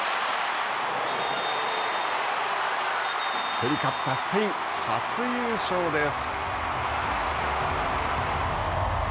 競り勝ったスペイン初優勝です。